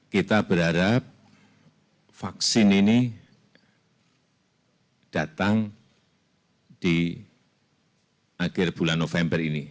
kita berharap vaksin ini datang di akhir bulan november ini